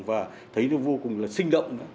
và thấy vô cùng là sinh động